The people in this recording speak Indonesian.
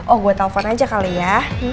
oh gue telepon aja kali ya